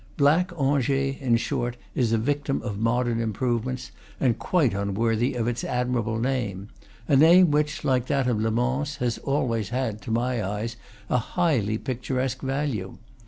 "Black Angers," in short, is a victim of modern improvements, and quite unworthy of its admirable name, a name which, like that of Le Mans, had always had, to my eyes, a highly picturesque value.